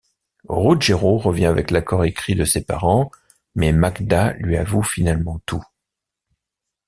Ruggero revient avec l'accord écrit de ses parents, mais Magda lui avoue finalement tout.